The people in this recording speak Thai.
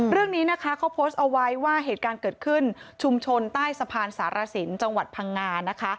เรื่องนี้นะคะเขาโพสต์เอาไว้ว่าเหตุการณ์เกิดขึ้นชุมชนใต้สะพานสารสินจังหวัดพังงานะคะ